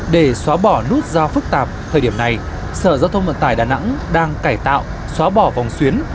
để xóa bỏ nút giao phức tạp thời điểm này sở giao thông vận tải đà nẵng đang cải tạo xóa bỏ vòng xuyến